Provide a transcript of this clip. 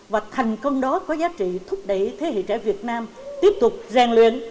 và thành công đó có giá trị thúc đẩy thế hệ trẻ việt nam tiếp tục rèn luyện